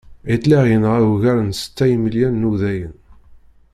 Hitler yenɣa ugar n setta imelyan n wudayen.